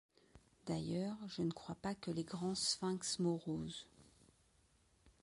D'ailleurs, je ne crois pas que les grands sphinx moroses